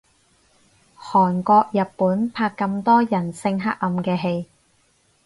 韓國日本拍咁多人性黑暗嘅戲